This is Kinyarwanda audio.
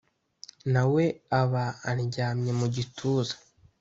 Nawe aba andyamye mu gituza,